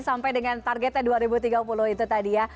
sampai dengan targetnya dua ribu tiga puluh itu tadi ya